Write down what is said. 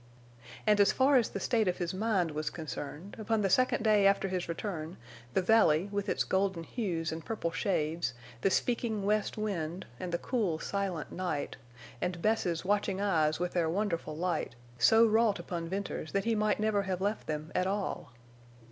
And as far as the state of his mind was concerned, upon the second day after his return, the valley, with its golden hues and purple shades, the speaking west wind and the cool, silent night, and Bess's watching eyes with their wonderful light, so wrought upon Venters that he might never have left them at all.